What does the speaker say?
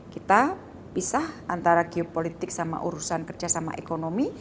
kita pisah antara geopolitik sama urusan kerjasama ekonomi